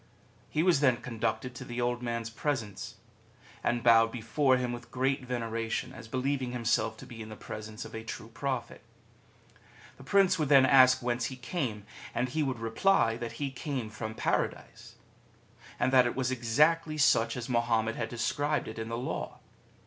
He was then conducted to the Old Man's presence, and bowed before him with great veneration as believing himself to be in the presence of a true Chap. XXIV. THE OLD MAN'S ASSASSINS 1 43 Prophet. The Prince would then ask whence he came, and he would reply that he came from Paradise ! and that it was exactly such as Mahommet had described it in the Law.